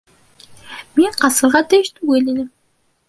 Мин ҡасырға тейеш түгел инем.